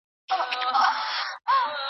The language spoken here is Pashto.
ټولنپوهان د خپلو پوښتنو ځواب غواړي.